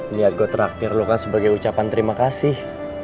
lihat gue terakhir lo kan sebagai ucapan terima kasih